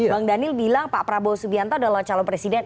bang daniel bilang pak prabowo subianto adalah calon presiden